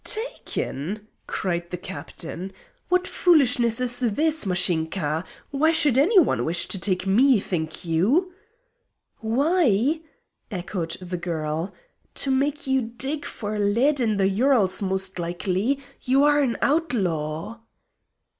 "Taken!" cried the Captain. "What foolishness is this, Mashinka? Why should any one wish to take me, think you?" "Why!" echoed the girl. "To make you dig for lead in the Urals, most likely. You are an outlaw!"